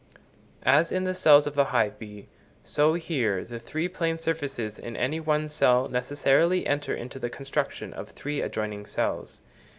As in the cells of the hive bee, so here, the three plane surfaces in any one cell necessarily enter into the construction of three adjoining cells.